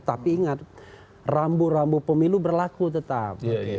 tapi ingat rambu rambu pemilu berlaku tetap